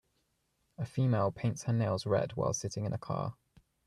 A female paints her nails red while sitting in a car.